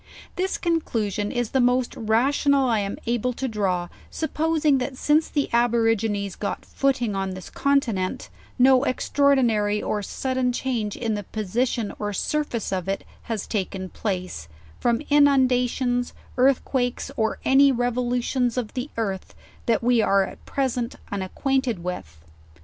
This conclusion is the most rational I am able to draw, supposing that since the Aborigines got footing on this con tinent, no extraordinary or sudden change in the position or surface of it has taken place, from inundations, earthquakes, or any revolutions of the earth that we are at present unac quainted with.